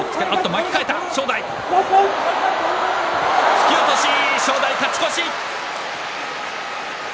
突き落とし正代勝ち越し。